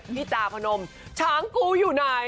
พี่จาพนมช้างกูอยู่ไหน